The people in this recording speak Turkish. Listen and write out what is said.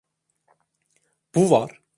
Bu var.